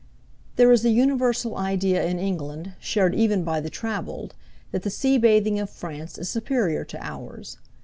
uk There is a universal idea in England, shared even by the travelled, that the sea bathing of France is superior to ours.